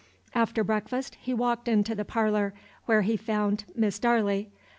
After breakfast he walked into the parlor, where he found Miss Darley.